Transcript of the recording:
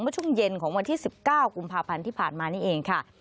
ช่วงเย็นของวันที่๑๙กุมภาพันธ์ที่ผ่านมานี่เองค่ะ